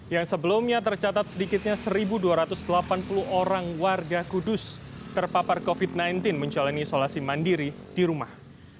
yang sebelumnya tercatat sedikitnya satu dua ratus delapan puluh orang warga kudus terpapar covid sembilan belas menjalani isolasi mandiri di rumah